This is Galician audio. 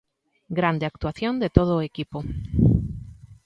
Grande actuación de todo o equipo.